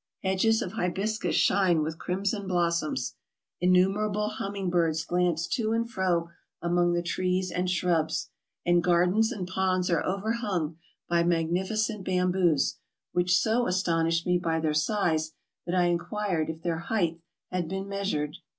Hedges of hibiscus shine with crimson blossoms. Innumerable hum ming birds glance to and fro among the trees and shrubs, and gardens and ponds are overhung by magnificent bam boos, which so astonished me by their size that I inquired MISCELLANEOUS 423 if their height had been measured.